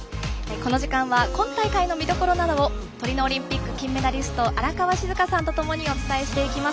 この時間は今大会の見どころなどをトリノオリンピック金メダリスト荒川静香さんとともにお伝えしていきます。